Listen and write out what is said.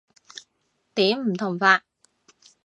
點唔同法？